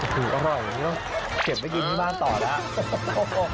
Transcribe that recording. ถืออร่อยต้องเก็บให้กินที่บ้านต่อแล้ว